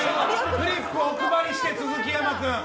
フリップをお配りしてツヅキヤマ君。